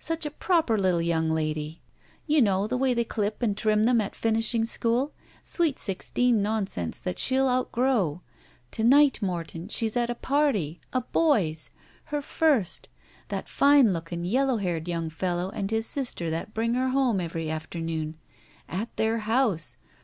Such a proper little young lady. You know, the way they clip and 12 171 THE SMUDGE trim them at finishing school. Sweet sixteen non sense that shell outgrow. To night, Morton, she's at a party. A boy's. Her first. That fine looking yellow haired yomig fellow and his sister that bring her home every afternoon. At their house.